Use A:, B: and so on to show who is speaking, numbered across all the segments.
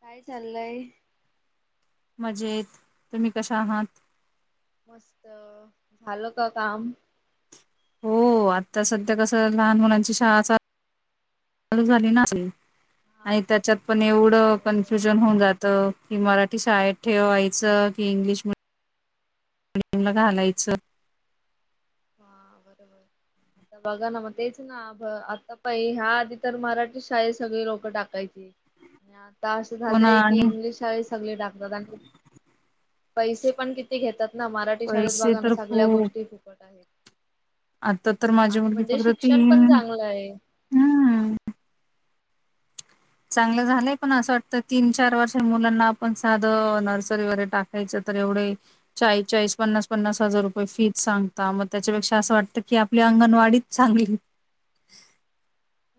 A: काय चाललंय
B: मजेत तुम्ही कशा आहात
A: मस्त झालं का काम
B: हो आता सध्या कसं लहान मुलांची शाळा चालू झाली ना
A: हा
B: आणि त्याच्यात पण एवढं
A: हो
B: कन्फ्युजन
A: बरोबर
B: होऊन जातं की मराठी शाळेत ठेवायचं की इंग्लिश मि डीयम ला घालायचं
A: ह बरोबर आता बघा ना मग तेच ना आता पई ह्या आधी तर मराठी शाळे सगळी लोकं टाकायची आणि आ आता असं
B: हो ना
A: झालंय की
B: आणि
A: इंग्लिश शाळेत सगळे टाकतात आणि पैसे पण किती घेतात ना मराठी शाळेत
B: पैसे
A: बघाना
B: तर
A: सगळ्या
B: खूप
A: गोष्टी फुकट आहेत
B: आता तर
A: हा
B: माझी
A: आणि
B: मुलगी
A: म्हणजे
B: फक्त
A: शिक्षण पण
B: तीन
A: चांगलं आहे
B: हम् चांगलं झालंय पण असं वाटत तीन चार वर्ष मुलांना पण साधं नर्सरी वगैरे टाकायचं तर एवढे चाळीस चाळीस पन्नास पन्नास हजार रु फीज सांगता मग त्याच्यापेक्षा असं वाटत की आपली अंगणवाडीच चांगली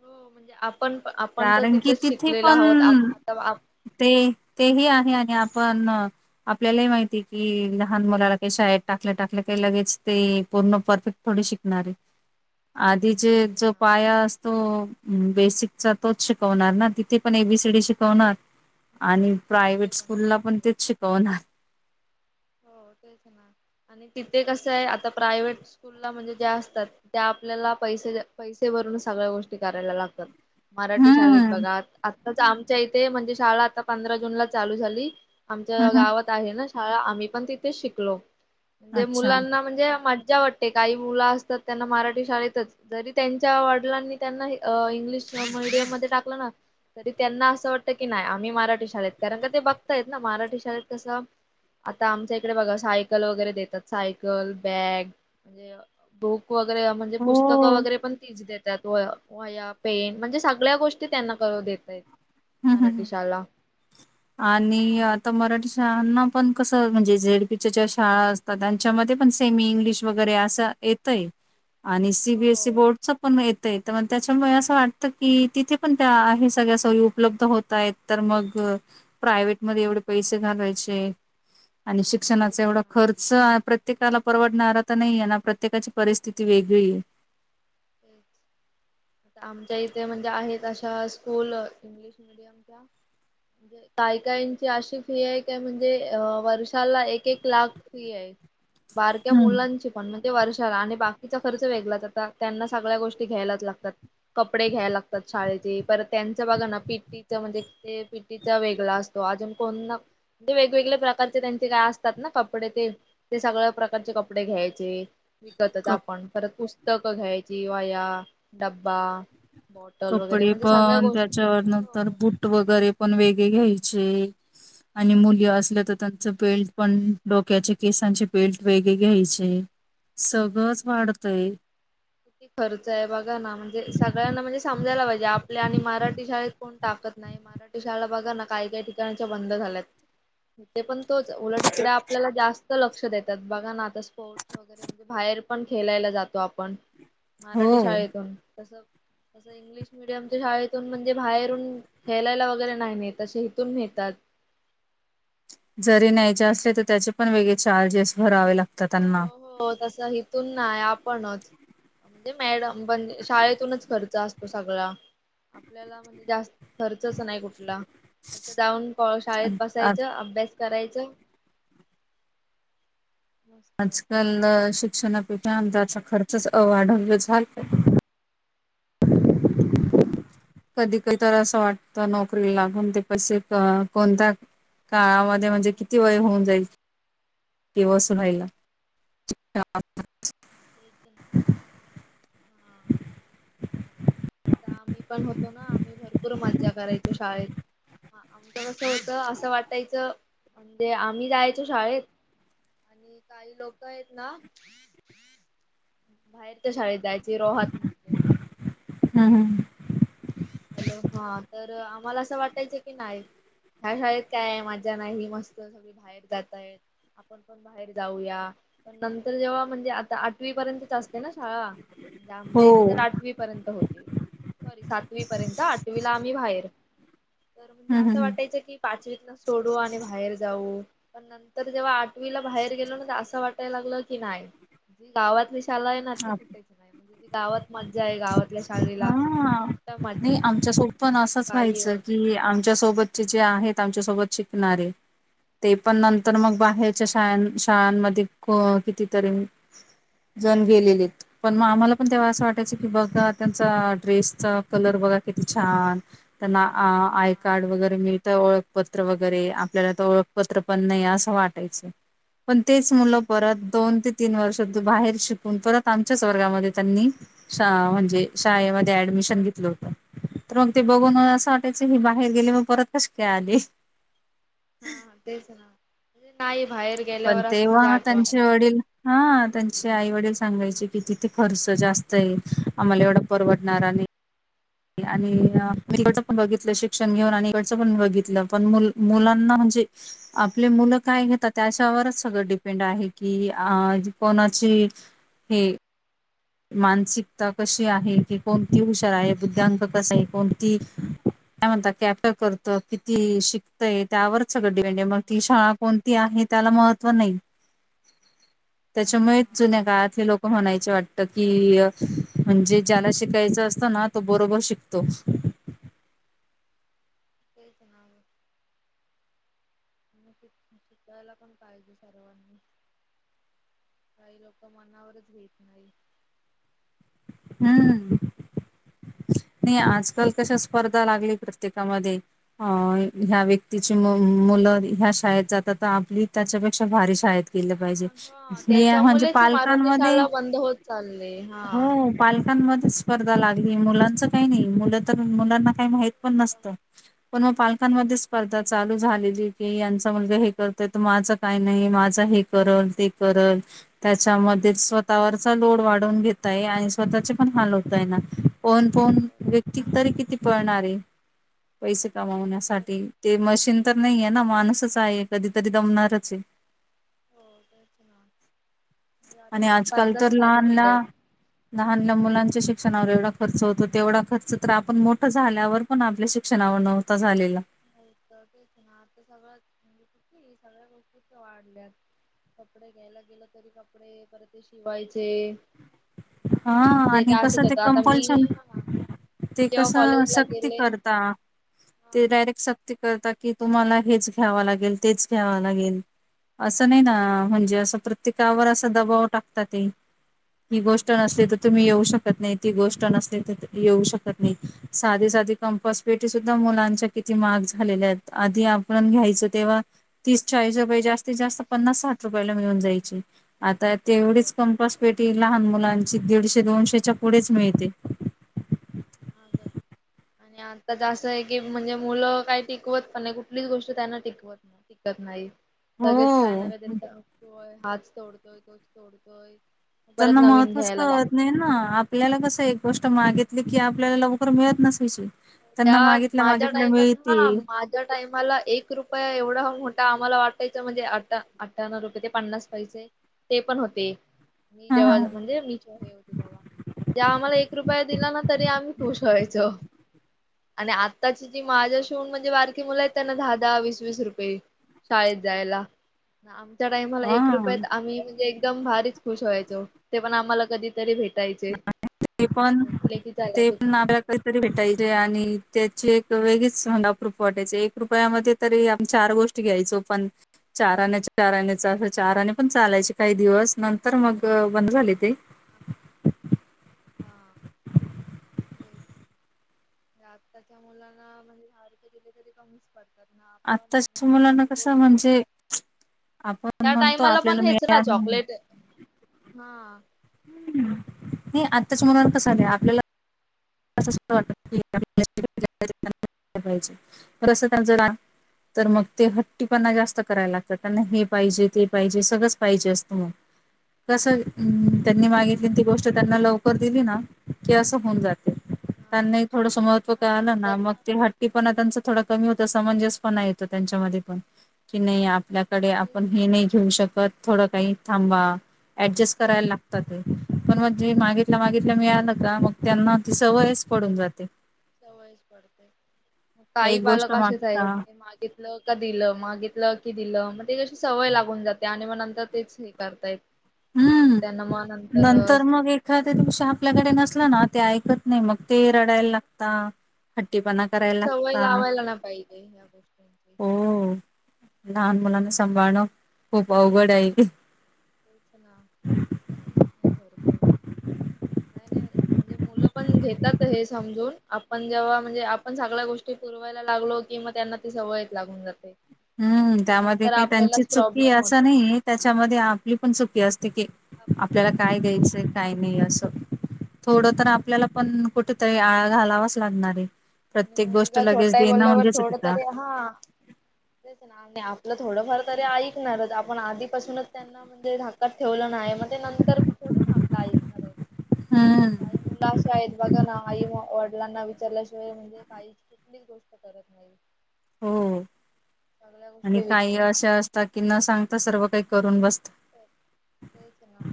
A: हो म्हणजे आपण आपण तर
B: कारण की
A: तिथंच
B: तिथे
A: शिकलेलो
B: पण
A: आहोत आता आप-
B: ते ते हे
A: हा
B: आहे आणि आपण आपल्याला ही माहिती की लहान मुलाला काही शाळेत टाकल्या टाकल्या काही लगेच ते पूर्ण परफेक्ट थोडी शिकणारे
A: [inaudible]
B: आधी जे
A: नाही
B: जो
A: ना
B: पाया असतो बेसिक तोच शिकवणार ना तिथे पण एबीसीडी शिकवणार आणि
A: ते
B: प्रायव्हेट
A: पण
B: स्कूलला पण
A: आहे
B: तेच शिकवणार
A: हो तेच ना. आणि तिथे कसं आहे आता प्रायव्हेट स्कूलला म्हणजे ज्या असतात त्या आपल्याला पैसे पैसे भर सगळ्या गोष्टी करायला लागतात मराठी शाळेत
B: हम्म
A: बघा आताच आमच्या इथे म्हणजे शाळा आता पंधरा जून ला चालू झाली
B: हम्म
A: आमच्या
B: हम्म
A: गावात आहे ना शाळा आम्ही पण तिथेच शिकलो म्हणजे
B: अच्छा
A: मुलांना म्हणजे मला वाटते काही मुलं असतात त्यांना मराठी शाळेतच जरी त्यांच्या वडिलांनी त्यांना इंग्लिश किंवा मिडीयम मध्ये टाकलं ना, तरी त्यांना असं कारण का ते बघतायेत ना, मराठी शाळेत कसं आता आमच्या इकडे बघा सायकल वगैरे देतात. सायकल, बॅग आणि बुक वगैरे म्हणजे
B: हो
A: पुस्तकं वगैरे पण तिंची देत तात. व वह्या, पेन म्हणजे सगल्या गोष्टी त्यांना करू देतायेत.
B: हम्म
A: मराठी
B: हम्म
A: शाला
B: आणि आता मराठी शाळांनापण कसं म्हणजे झेडपीच्या ज्या शाळा असतात. त्यांच्यामध्ये पण सेमी इंग्लिश वगैरे असं येतय आणि सीबीएसई
A: हो
B: बोर्डचपण येतंय. तर मग त्याच्यामुळे असं वाटतं की, तिथेपण त्या हे सगळ्या सोयी उपलब्ध होत आहेत. तर मग प्रायव्हेटमध्ये एवढे पैसे घालावायचे. आणि
A: तेच
B: शिक्षणाचा एवढा
A: तेच
B: खर्च हा प्रत्येकाला परवडणारा तर नाही आहे ना. प्रत्येकाची परिस्थिती वेगळी आहे.
A: त्या इथे म्हणजे आहेत, अशा स्कूल इंग्लिश मिडियमच्या काय काइंची आशी फी आहे, काय म्हणजे वर्ष एक एक लाख फी आहे, बारक्या
B: हम्म.
A: मुलांचीपण मग ते वर्षाला आणि बाकिचा खर्च वेगळाच आता त्यांना सगळ्या गोष्टी घ्यायलाच लागतात. कपडे घ्या लागतात शाळेची तर त्यांचं बघा ना, पीटीचं म्हणजे ते पितीचं वेगळा असतो. अजून कोण [unintelligible] ते वेगवेगळं प्रकारचे त्यांचे काय असतात ना कपडे ते, ते सगळं प्रकारचे कपडे घ्यायचे. शिकतच
B: कप
A: आपण. परत पुस्तक घ्यायची, वया, डब्बा बॉटल वगैरे म्हणजे सगळ्या
B: कपडेपण,
A: गोष्टी
B: त्याच्यावर नंतर
A: हो.
B: बूट वगैरे पण वेगळे घ्यायचे. आणि मुली असल्या, तर त्यांचं बेल्टपण डोक्याच्या केसांचे बेल्ट वेगळे घ्यायचे. सगळंच
A: म्हणजे
B: वाढतय.
A: किती खर्च आहे बघा ना. म्हणजे सगळ्यांना म्हणजे समजायला पाहिजे, आपल्या आणि मराठी शाळेत कोण टाकत नाही. मराठी शाळा बघा ना, काही काही ठिकाणच्या बंद झाल्यात. तेपण तोच. उलट इकडे आपल्याला जास्त लक्ष देतात बघा ना, आता स्पोर्ट्स वगैरे म्हणजे बाहेर पण खेळायला जातो आपण, मराठी
B: हो.
A: शाळेतून. तसं तसं इंग्लिश मिडियमच्या शाळेतून म्हणजे बाहेरून खेलायला वगैरे नाही नेत, तसे इथून नेतात.
B: जरी न्यायचे असले, तर त्याचेपण वेगळे चार्जेस भरावे लागतं त्यांना.
A: तर हितून नाय आपणच म्हणजे मॅडमपण शाळेतूनच खर्च असतो सगळा. आपल्याला म्हणजे जास्त खर्चच नाही कुठला. फक्त जाऊन कवा शाळेत
B: आ
A: बसायचं, अभ्यास करायचं. मस्त.
B: आजकाल शिक्षणापेक्षा आमच्यांचा खर्चच वाढून झाला [inaudible]
A: हो ना
B: कधी कधी तर असं वाटतं, नोकरी लागून ते पैसे तर कोणत्या काळामध्ये म्हणजे किती वय होऊन जाईल. [unintelligible] [inaudible]
A: ते तर, हा. आता आम्हीपण होतो ना, आम्ही भरपूर मज्जा करायचो शाळेत. ह आमचं कसं होतं, असं वाटायचं म्हणजे आम्ही जायचो शाळेत आणि काही लोक हायत ना बाहेरच्या शाळेत जायची. रोहत
B: हं हं हं.
A: हॅलो हा तर आम्हाला असं वाटायचं की नाही ह्या शाळेत काय आहे माझ्या नाही मस्त सगळी बाहेर जातय आपण पण बाहेर जाऊया पण नंतर जेव्हा म्हणजे आता आठवी पर्यंत असते ना शाळा णजे
B: हो.
A: आमच्या इथे तर आठवी पर्यंत होते सॉरी सातवी र्यंत आठवी ला आम्ही बाहेर तर म्हणजे
B: हम्म
A: असं
B: हम्म
A: वाटायचं की पाचवीतला सोड आणि बाहेर जाऊ पण नंतर जेव्हा आठवीला बाहेर गेलो ना तर असं वाटायला लागलं की नाही गावातले शाळा आहे ना ती
B: हा.
A: कुठेच नाही. म्हणजे गावात मज्जा आहे गावातल्या शाळेला.
B: नाही आमच्यासोब
A: हा
B: पण असंच
A: बाई व
B: व्हायचं कि आमच्या सोबत जे आहेत आमचा सोबतचे शिकणारे, ते पण नंतरन मग
A: हा
B: बाहेरचे शाळ शाळांमध्ये कितीतरी जण गेलेलेत पण मग आम्हा पण तेव्हा असं वाटायचं की बघा त्यांचा ड्रेसचा कलर बघा किती छान त्यांना आय कार्ड वगैरे मिळ ओळखपत्र वगैरे आपल्याला तर ओळखपत्र पण नाही असं वाटायचं पण तेच मुलं परत दोन ते तीन वर्ष तू बाहेर शिकून परत आमच्याच वर्गामध्ये त्यांनी म्हणजे शाळेमध्ये ऍडमिशन घेतल तर मग ते बघून असं वाटायचं की बाहेर गेले मग परत कशी का आली
A: हा हा तेच नाे ना बाहेर
B: पण
A: गेल्यावर असं म्हणजे
B: तेव्हा
A: आठवण
B: त्यांचे
A: येत
B: वडील हा, त्यांचे आई वडील सांगायचे की तिथे खर्च जास्त ये. आम्हाला एवढा परवडणार आणि, आणि इकड पण बघितलं शिक्षण घेऊन आणि इकडचं पण बघितलं पण मुलांना आप घ त्या सग डपेंड आहे क हे मानसिकता कशी आहे किी कोणती हुशार आहे बुद्धांक कस आहे कोणती काय म्हणता कॅप करत किती शिकतय त्यावरच सगं
A: हा.
B: वेंडे मग ती शाळा कोणती आहे त्याला महत्त्व नाही त्याच्यामुळेच
A: हा
B: जुन्या काळातले लोकं म्हणायचे वाटते की म्हणजे ज्याला शिकायच असत ना तो बरोबर शिकतो
A: [inaudible] ते जणाव आणि शिकायला पण पाहिजे सर्वांनी, काही लोक मनावरच घेत नाही
B: हम्म, नाही आजकाल कशा
A: काही
B: स्पर्धा लागली प्रत्येकामध्ये अ ह्या व्यक्तीची मुलं ह्या शाळेत जात तर आपली त्याच्यापेक्षा भारी शाळेत लं पाहिजे
A: हा हा
B: हे म्हणजे
A: त्याच्यामुळेच ही मराठी
B: पालकांमध्ये
A: शाळा बंद होत चालली हा.
B: हो पा त्यांमध्ये स्पर्धा लागली मुलांच काही नाही मुलं तर मुलांना काही माहित पण नसतं पण मग
A: मस्त ते
B: पालकांमध्ये स्पर्धा चालू झाली मा का नाही माझ हे त्या मध्ये स्वतःवरचा लोड वाढवून घेतय आणि स्वतःचे पण हाल होत आहे ना पन पन
A: हो
B: व्यक्तिक तरी किती पळणार ये, पैसे कमावण्यासाठी ते मशीन तर नाही आहे ना माणूसच आहे कधीतरी दमणारच आहे
A: हो ते सना
B: आणि आजकाल तर लहान लहान मुलांच्या शिक शिक्षणावर एवढा खर्च होतो. तेवढा खर्च तर, आपण मोठं झाल्यावर पण आपल्या शिक्षणावर नव्हता झालेला.
A: तेच ना आता सगळ्या म्हणजे क सगळ्या गोष्ट वाढल्या कपडे घ्यायला गेल तरी कपडे परत ते शिवायचे
B: हा
A: आता आमच्या इथे
B: आणि
A: असंच
B: कसं ते
A: होतं आता मी
B: कंपल्शन
A: मी
B: ते
A: जेव्हा
B: कसं
A: कॉलेजला
B: सक्ती
A: गेले
B: करतात,
A: हा.
B: ते डायरेक्ट स करता की तुम्हाला हेच घ्यावा लागेल, तेच घ्यावा लागेल. असं नाही ना, म्हणजे असं प्रत्येकावर असा दबाव टाकता ते.
A: हा
B: टण
A: ना
B: असले
A: तेच
B: तर तुम्ही येऊ शक त नाही. ती गोष्ट नसतील तर येऊ शकत नाही. साधी साधी कंपासपेटी सुद्धा मुलांच्या महाग झालेल्या आहेत आधी आपण घ्यायच तेव्हा तीस चाळीस रुपये जास्तीत जास्त पन्नास साठ- रुपयाला मिळून जायची. आता
A: हो
B: तेवढीच कंपासपेटी लहान मुला ची दीडशे दोनशेच्या पुढेच मिळते
A: महाग आहेत. आणि आता तर अस आहे की म्हणजे मुलं काही टिकवत पण नाही कुठलीच गोष्ट त्यांना टिकवत नाही टिकत नाही नाही लगेच काय ना
B: हो
A: काहीतरी तोडतोय, हाच तोडतोय, तोच तोडतोय परत
B: त्यांना
A: नवीन
B: महत्वच
A: घ्यायला
B: कळत नाही
A: लागते.
B: ना आपल्याला कस एक गोष्ट मागीत ली की आपल्याला लवकर मिळत नसायची त्यांना
A: त्या
B: मागितल्या
A: माझ्या
B: मागितल्या
A: टाइमात तर ना,
B: मिळते
A: माझ्या टाइमाला एक रुपया एवढा मो ठा आम्हाला वाटायचं म्हणजे आठा आठाना रुपये ते पन्नास पैसे ते पण होते मी
B: हा हा
A: ज्यावेळेला म्हणजे मी जेव्हा हे होते तेव्हा म्हणजे आम्हाला एक रुपया दिला ना तरी आम्ही खुश व्हायचो आणि आत्ताची जी माझ्या शी होवून म्हणजे बारकी मुलं आहेत त्यांना दहा दहा वीस वीस रुपये शाळेत जायला. आम च्या टायमाला एक
B: हा
A: रुपयात आम्ही म्हणजे एकदम भारीच खुश व्हायचो ते पण आम्हा कधीतरी भेट
B: [unintelligible] ते पण
A: चला
B: ते पण आपल्याला
A: दुकानावर
B: कधीतरी भेटायचे आणि त्याची एक वेगळीच आप्रूफ वाटायची एक रुपयामध्ये तरी आम्ही चार गोष्टी घ्यायचो पण चार आणे, चार आणे चार आणे पण चालायचे काही दिवस नंतर मग बंद झाले ते
A: हा. या आत्ताच्या मुलांना म्हणजे दहा रुपये दिले तरी कमीच पडतात ना आपण
B: आताच मुलांना
A: आपण
B: कसं
A: बोललो
B: म्हणजे आपण
A: त्या
B: म्हणतो
A: टाइमाला
B: आपल्याला
A: पण हेच ना
B: मिळालं नाही
A: चॉकलेट हा.
B: हम्म नाही आत्ताच्या मुलांना
A: हा
B: तसं आलय, आपल्याला अस सुद्धा वाटत की आपल्याला [unintelligible] अस त्यांचं ना तर मग ते हट्टीपणा जास्त करायला लागतात, त्यांना हे पाहिजे ते पाहिजे सगळंच पाहिजे असतं म कसं त्यांनी मागितली ती गोष्ट त्यांना लवकर दिली ना की असं होऊन जाते
A: हा
B: त्यांनाही थोडसं महत्त्व
A: हा
B: कळालं ना मग
A: त्यांना
B: ते हट्टी पणा त्यांच थोडा कमी होतो, समंजसपणा येतो त्यांच्यामध्ये पण की नाही आप आपल्याकडे
A: तेच
B: आपण
A: ना
B: हे नाही घेऊ शकत थोडं काही थांबा ऍडजस्ट करायला लागतात ते पण मग जे माग
A: तेच
B: मागितलं मिळालं का मग त्यांना ती सवयच पडून जाते
A: सवयच पडते. काही
B: एक गोष्ट
A: पालक असेच
B: मागता
A: आहेत ते मागितलं का दिलं मागितलं की दिलं म्ह ते कशी सवय लागून जाते आणि मग नंतर तेच हे करताहेत
B: हम्म नंतर मग एखाद्या दिवस आपल्याकडे नसल ना ते ऐकत नाही मग ते रडायला लागता हट्टीपणा
A: आपणच
B: करायला
A: सवय
B: लागता.
A: लावायला ना पाहिजे ह्या गोष्टींची
B: हो. लहान मुलांना सांभाळणं खूप अवघड आहे.
A: तेच ना एक नाही भरपूर नाय नाय म्हणजे मुलं पण घेतात हे समजून आपण जेव्हा म्हणजे आपण सगळ्या गोष्टी पुरवायला लागलो कि म त्यांना ती सवयच लागून जाते
B: हम्म
A: मग ते
B: त्यामध्ये
A: नंतर
B: काही त्यांची
A: आपल्यालाच
B: चुकीच
A: प्रॉब्लेम
B: असं
A: होतो
B: नाही त्याच्यामध्ये आपली पण चुकी असते की
A: आपलीच
B: आपल्याला
A: होते
B: काय
A: हा तेच
B: द्यायचंय काय नाही असं थोडं तर
A: हा
B: आपल्याला पण कुठेतरी आळा घालावाच लागणार आहे
A: आणि
B: प्रत्येक गोष्ट
A: मुलगा
B: लगेच
A: छोटा आहे
B: देणं
A: बोलल्यावर
B: म्हणजे
A: थोड
B: चुकीचं
A: तरी हा तेच ना आणि आपलं थोडंफार तरी ऐकणारच आपण आधीपासूनच त्यांना म्हणजे ढा कात ठेवलं ना, मग ते नंतर थोडी ना आपलं ऐकणार आहे
B: हम्म
A: काही मुल अशी आहेत बघा ना आई मुलांना विचारल्याशिवाय म्हणजे काही कुठलीच गोष्ट करत नाही.
B: हो
A: सगळ्या
B: आणि
A: गोष्टी
B: काही
A: विचारून
B: अशा असतात की न सांगता सर्व काही करून बस
A: हो तेच ना.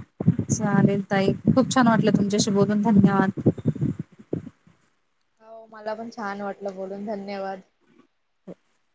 B: चालेल ताई खूप छान वाटलं तुमच्याशी बोलून धन्यवादो.
A: हो मला पण छान वाटलं बोलून धन्यवाद.
B: [inaudible]